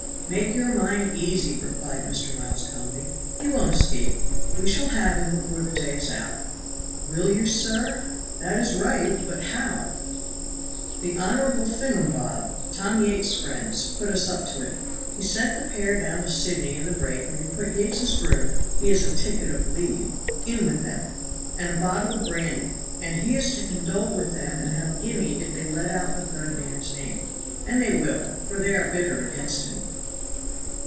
"Make your mind easy," replied Mr. Miles calmly, "he won't escape; we shall have him before the day is out." "Will you, sir? that is right but how?" "The honorable thingumbob, Tom Yates's friend, put us up to it. We sent the pair down to Sydney in the break and we put Yates's groom (he is a ticket of leave) in with them, and a bottle of brandy, and he is to condole with them and have a guinea if they let out the third man's name, and they will for they are bitter against him."